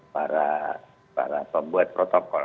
para pembuat protokol